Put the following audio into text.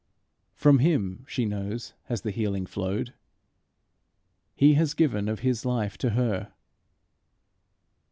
From him, she knows, has the healing flowed. He has given of his life to her.